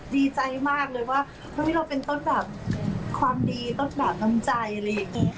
ดีใจมากเลยว่าเฮ้ยเราเป็นต้นแบบความดีต้นแบบน้ำใจอะไรอย่างนี้ค่ะ